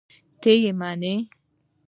ته یې منې؟!